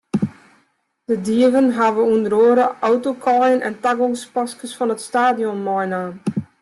De dieven hawwe ûnder oare autokaaien en tagongspaskes fan it stadion meinaam.